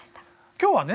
今日はね